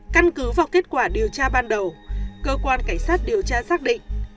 căn cứ vào kết quả điều tra ban đầu cơ quan cảnh sát điều tra xác định